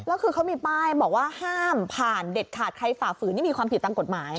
แล้วคือเขามีป้ายบอกว่าห้ามผ่านเด็ดขาดใครฝ่าฝืนนี่มีความผิดตามกฎหมาย